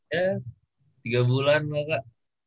ya tiga bulan lah kak